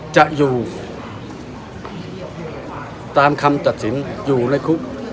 จะอยู่ตามคำตัดสินอยู่ในคุก